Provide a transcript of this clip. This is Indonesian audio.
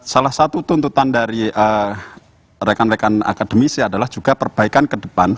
salah satu tuntutan dari rekan rekan akademisi adalah juga perbaikan ke depan